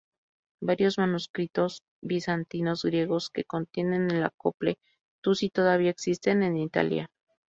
Varios manuscritos bizantinos griegos que contienen el acople Tusi todavía existen en Italia.